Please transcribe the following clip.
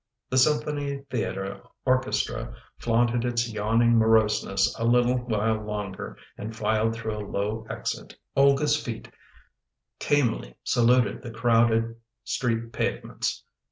The Symphony Theater orchestra flaunted its yawning moroseness a little while longer and filed through a low exit. Olga's feet tamely saluted the crowded street pave ments.